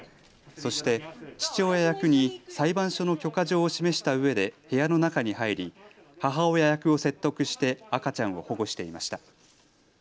そして父親役に裁判所の許可状を示したうえで部屋の中に入り、母親役を説得して赤ちゃんを保護していました。